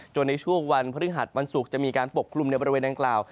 จนในช่วงวันพฤหัสวันศุกร์จะมีการปกกลุ่มในบริเวณอ่าวเบงกอร์